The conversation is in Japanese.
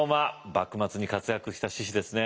幕末に活躍した志士ですね。